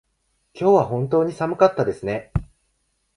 今日は本当に暑かったですね。